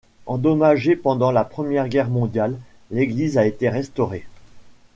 Endommagée pendant la Première Guerre mondiale, l'église a été restaurée.